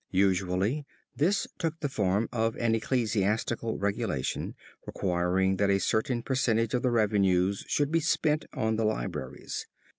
Usually this took the form of an ecclesiastical regulation requiring that a certain percentage of the revenues should be spent on the libraries.